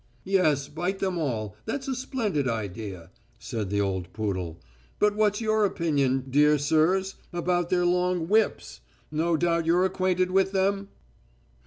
"Yes, bite them all that's a splendid idea," said the old poodle. "But what's your opinion, dear sirs, about their long whips? No doubt you're acquainted with them!"